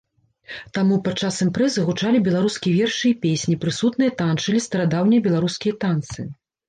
Таму падчас імпрэзы гучалі беларускія вершы і песні, прысутныя танчылі старадаўнія беларускія танцы.